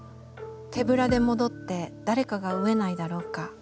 手ぶらで戻って誰かが飢えないだろうか。